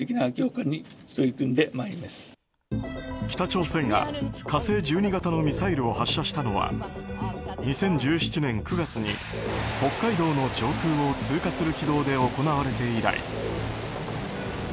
北朝鮮が「火星１２」型のミサイルを発射したのは２０１７年９月に北海道の上空を通過する軌道で行われて以来。